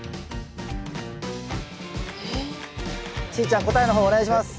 しーちゃん答えの方お願いします。